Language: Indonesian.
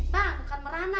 bang bukan merana